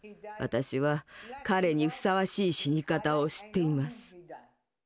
私は彼にふさわしい死に方を知っています。